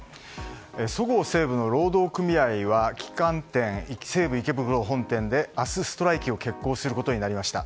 そごう・西武の労働組合は旗艦店・西武池袋本店で明日、ストライキを決行することになりました。